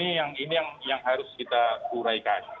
ini yang harus kita uraikan